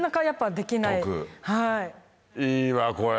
いいわこれ。